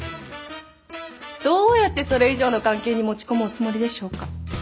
どうやってそれ以上の関係に持ち込むおつもりでしょうか？